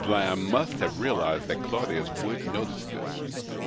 Lamb must have realized that Claudius would notice this.